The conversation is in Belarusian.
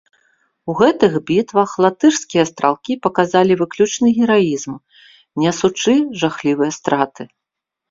У гэтых бітвах латышскія стралкі паказалі выключны гераізм, нясучы жахлівыя страты.